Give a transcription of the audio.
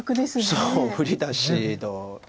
そう振り出しの。